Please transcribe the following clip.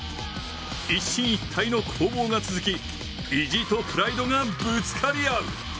一進一退の攻防が続き意地とプライドがぶつかり合う。